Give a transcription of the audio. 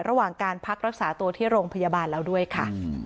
ระหว่างการพักรักษาตัวที่โรงพยาบาลแล้วด้วยค่ะ